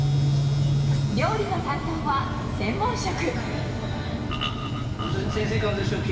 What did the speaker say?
料理の担当は、専門職。